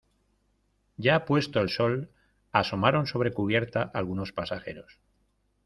ya puesto el sol asomaron sobre cubierta algunos pasajeros.